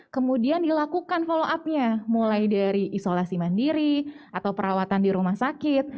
kemudian dilakukan follow up nya mulai dari isolasi mandiri atau perawatan di rumah sakit